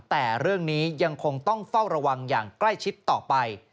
แต่เรื่องนี้ยังคงต้องเฝ้าระวังอย่างใกล้ชิดต่อไป